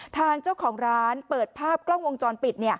ทางเจ้าของร้านเปิดภาพกล้องวงจรปิด